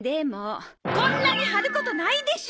こんなに貼ることないでしょ！